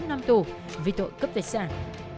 một mươi năm năm tù vì tội cướp tài sản